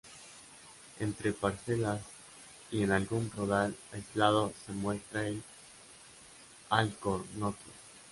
Entre parcelas y en algún rodal aislado se muestra el alcornoque.